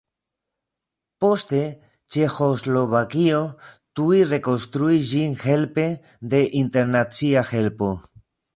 Poste Ĉeĥoslovakio tuj rekonstruis ĝin helpe de internacia helpo.